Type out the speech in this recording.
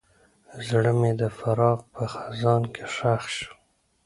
زړه مې د فراق په خزان کې ښخ شو.